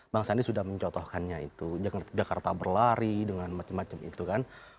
bang sandi sudah mencotohkannya itu jakarta berlari dengan macam macam itu kan